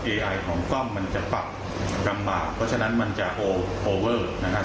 ไอของกล้องมันจะปรับลำบากเพราะฉะนั้นมันจะโอเวอร์นะครับ